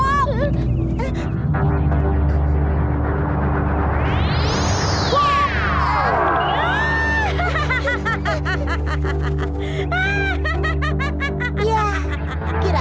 ibu masih kabur